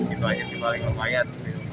itu aja sih paling lumayan